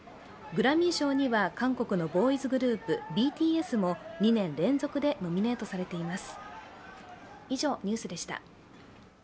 グラミー賞には韓国のボーイズグループ、ＢＴＳも２年連続でノミネートされています